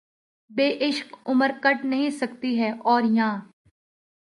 بے عشق عمر کٹ نہیں سکتی ہے‘ اور یاں